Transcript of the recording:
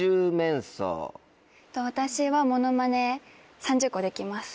私はモノマネ３０個できます。